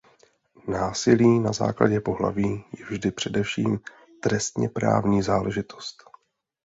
Násilí na základě pohlaví je vždy především trestněprávní záležitost.